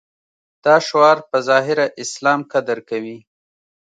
دا شعار په ظاهره اسلام قدر کوي.